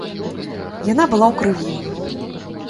Яна была ў крыві.